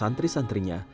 tak berlaba ternyata